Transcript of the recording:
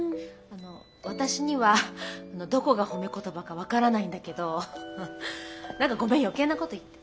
私にはどこが褒め言葉か分からないんだけど何かごめん余計なこと言って。